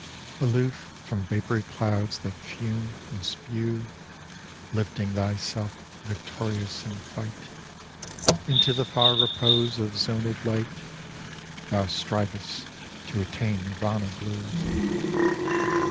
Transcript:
Aloof from vapory clouds that fume and spue, Lifting thyself victorious in fight Into the far repose of zonëd light, Thou strivest to attain nirvâna blue.